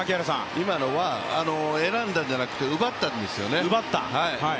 今のは選んだんじゃなくて奪ったんですよね。